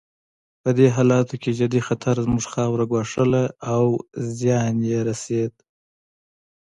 په دې حالاتو کې جدي خطر زموږ خاوره ګواښله او زیان یې رسېد.